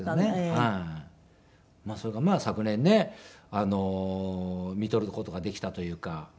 それがまあ昨年ねみとる事ができたというか。